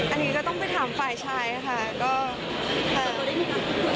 อันนี้ก็ต้องไปถามฝ่ายชายค่ะก็ค่ะ